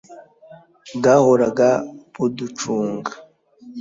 bwahoraga buducunga